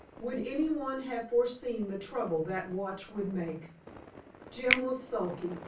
Would anyone have foreseen the trouble that watch would make! Jim was sulky.